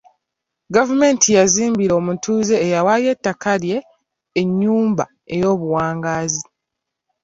Gavumenti yazimbira omutuuze eyawaayo ettaka lye enyumba ey'obuwangaazi .